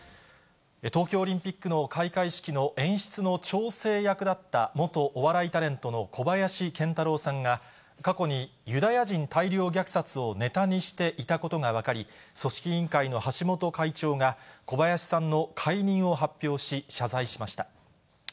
東京オリンピックの開会式の演出の調整役だった、元お笑いタレントの小林賢太郎さんが、過去に、ユダヤ人大量虐殺をネタにしていたことが分かり、組織委員会の橋本会長が小林さんの解任を発表し、謝罪しました。